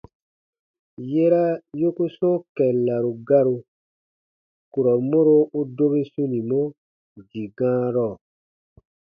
Yera yoku sɔ̃ɔ kɛllaru garu, kurɔ mɔro u dobi sunimɔ dii gãarɔ.